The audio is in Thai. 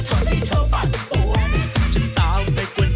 กลิ่นซีที่หนักนะครับ